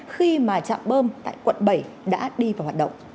khi mà trạm bơm tại quận bảy đã đi vào